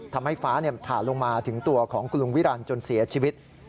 ทำให้ฟ้าผ่าลงมาถึงตัวของคุณลุงวิรันดิจนเสียชีวิต